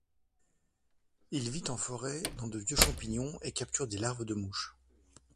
Il vit en forêt dans de vieux champignons, et capture des larves de mouches.